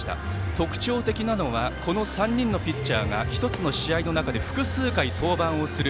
特徴的なのはこの３人のピッチャーが１つの試合の中で複数回、登板する。